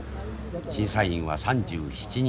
審査員は３７人。